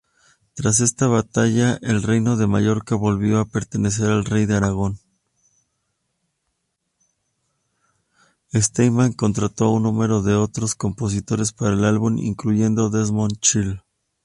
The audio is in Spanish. Steinman contrató a un número de otros compositores para el álbum, incluyendo Desmond Child.